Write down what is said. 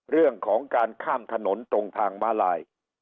เรื่องของการข้ามถนนตรงทางม้าลาย